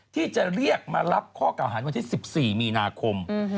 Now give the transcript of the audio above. ที่จะเรียกมารับข้อเก่าหาวันที่๑๔มีนาคม